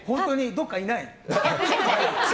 どこかいないの？